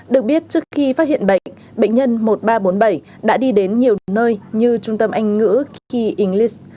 được biết trước khi phát hiện bệnh bệnh nhân một nghìn ba trăm bốn mươi bảy đã đi đến nhiều nơi như trung tâm anh ngữ k english